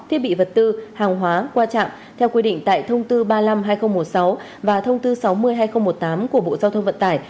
thiết bị vật tư hàng hóa qua trạm theo quy định tại thông tư ba mươi năm hai nghìn một mươi sáu và thông tư sáu mươi hai nghìn một mươi tám của bộ giao thông vận tải